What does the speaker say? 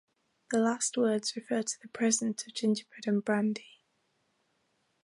The last words refer to the present of gingerbread and brandy.